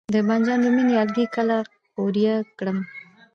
د بانجان رومي نیالګي کله قوریه کړم؟